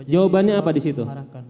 jawabannya apa disitu